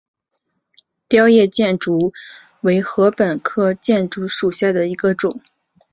凋叶箭竹为禾本科箭竹属下的一个种。